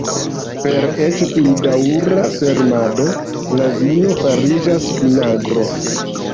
Per eĉ pli daŭra fermentado la vino fariĝas vinagro.